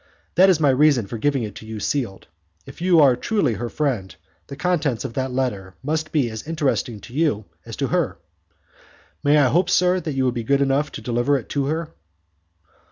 That is my reason for giving it to you sealed. If you are truly her friend, the contents of that letter must be as interesting to you as to her. May I hope, sir, that you will be good enough to deliver it to her?"